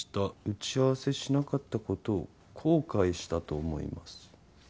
うちあわせしなかったことをこうかいしたとおもいます」。